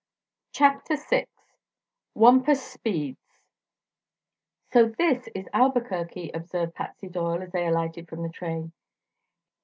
CHAPTER VI WAMPUS SPEEDS "So this is Albuquerque," observed Patsy Doyle, as they alighted from the train.